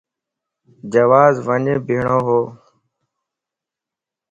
جواز وڃ ٻيڻھو